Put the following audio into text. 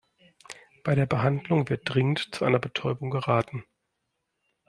Bei der Behandlung wird dringend zu einer Betäubung geraten.